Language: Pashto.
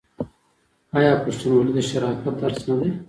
آیا پښتونولي د شرافت درس نه دی؟